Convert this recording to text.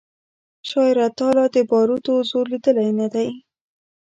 شاعره تا لا د باروتو زور لیدلی نه دی